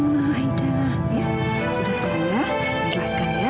nanti dia nangis juga ya